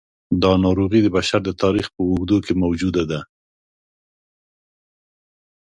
دا ناروغي د بشر د تاریخ په اوږدو کې موجوده ده.